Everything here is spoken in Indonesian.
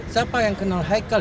siapa yang kenal haikal